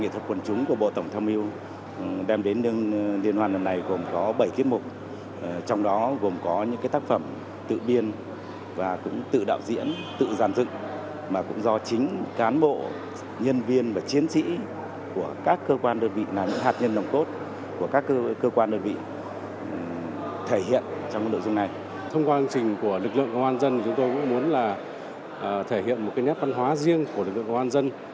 thông qua hành trình của lực lượng công an dân chúng tôi muốn là thể hiện một cái nhát văn hóa riêng của lực lượng công an dân